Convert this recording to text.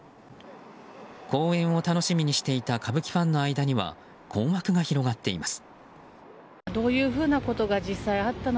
公演を楽しみにしていた歌舞伎ファンの間には困惑が広がっています。